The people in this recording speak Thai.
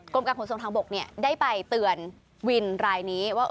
กรมการผลส่งทางบกเนี่ยได้ไปเตือนวินไบท์รายนี้ว่า